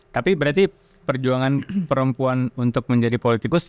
tapi berarti perjuangan perempuan untuk menjadi politikus